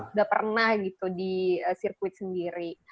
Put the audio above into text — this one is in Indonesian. udah pernah gitu di sirkuit sendiri